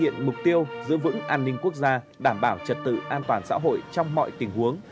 hiện mục tiêu giữ vững an ninh quốc gia đảm bảo trật tự an toàn xã hội trong mọi tình huống